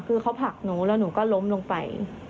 คือเขาผลักหนูแล้วหนูก็ล้มลงไป